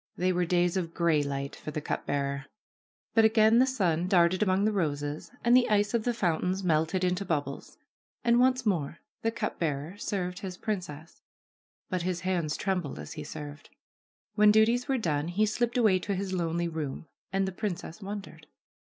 They were days of gray light for the cup bearer. But again the sun darted among the roses and the ice of the fountains melted into bubbles, and once more the THE PRINCESS AND THE CUP BEARER 57 cup bearer served his princess, but his hands trembled as he served. When duties were done he slipped away to his lonely room, and the princess wondered.